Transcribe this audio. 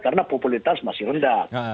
karena populitas masih rendah